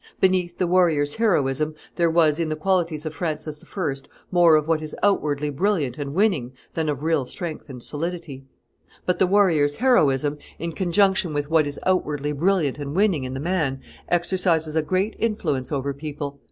Beneath the warrior's heroism there was in the qualities of Francis I. more of what is outwardly brilliant and winning than of real strength and solidity. But the warrior's heroism, in conjunction with what is outwardly brilliant and winning in the man, exercises a great influence over people.